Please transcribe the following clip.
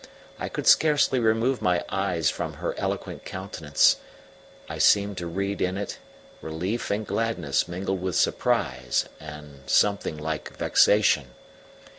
I could scarcely remove my eyes from her eloquent countenance: I seemed to read in it relief and gladness mingled with surprise and something like vexation.